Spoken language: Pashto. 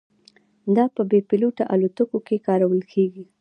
دا په بې پیلوټه الوتکو کې کارول کېږي.